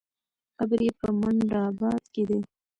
قبر یې په منډآباد کې دی.